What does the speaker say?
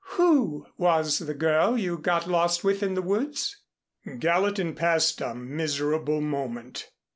Who was the girl you got lost with in the woods?" Gallatin passed a miserable moment.